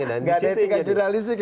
tidak ada etika jurnalis ya di situ